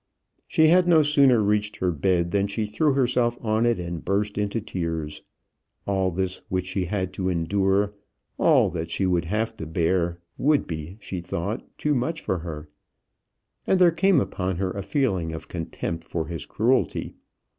She had no sooner reached her bed, than she threw herself on it and burst into tears. All this which she had to endure, all that she would have to bear, would be, she thought, too much for her. And there came upon her a feeling of contempt for his cruelty.